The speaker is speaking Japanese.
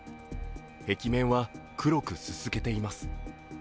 壁面は黒くすすけています。